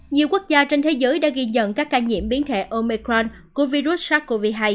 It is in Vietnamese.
nhiều quốc gia trên thế giới đã ghi nhận các ca nhiễm biến thể omecran của virus sars cov hai